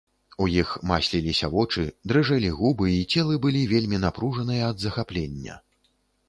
У іх масліліся вочы, дрыжэлі губы, і целы былі вельмі напружаныя ад захаплення.